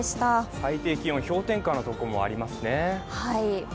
最低気温、氷点下のところもありますね。